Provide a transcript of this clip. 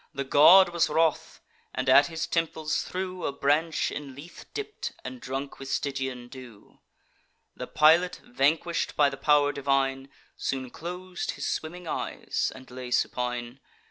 The god was wroth, and at his temples threw A branch in Lethe dipp'd, and drunk with Stygian dew: The pilot, vanquish'd by the pow'r divine, Soon clos'd his swimming eyes, and lay supine.